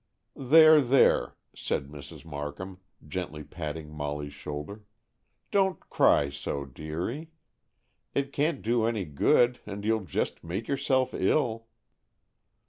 "There, there," said Mrs. Markham, gently patting Molly's shoulder. "Don't cry so, dearie. It can't do any good, and you'll just make yourself ill."